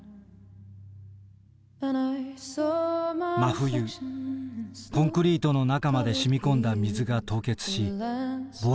真冬コンクリートの中まで染み込んだ水が凍結し膨張する。